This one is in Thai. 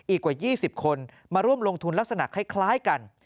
อีกกว่า๒๐คนมาร่วมลงทุนลักษณะคล้ายกัน